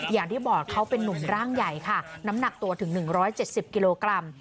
อย่างที่บอกเขาเป็นนุ่มร่างใหญ่ค่ะน้ำหนักตัวถึงหนึ่งร้อยเจ็ดสิบกิโลกรัม